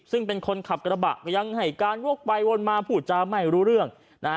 ซึ่งเป็นคนขับกระบะก็ยังให้การวกไปวนมาพูดจาไม่รู้เรื่องนะฮะ